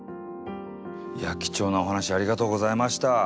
いや貴重なお話ありがとうございました。